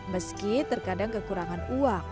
meski terkadang kekurangan uang